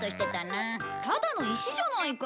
ただの石じゃないか。